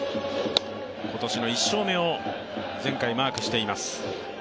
今年の１勝目を前回マークしています。